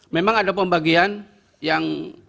memang ada pembagian yang